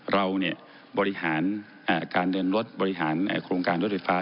เราเนี่ยบริหารอ่าการเดินรถบริหารอ่าโครงการรถไฟฟ้า